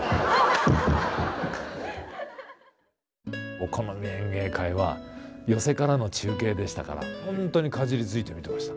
「お好み演芸会」は寄席からの中継でしたからほんとにかじりついて見てました。